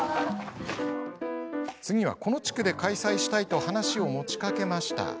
次は、この地区で開催したいと話を持ちかけました。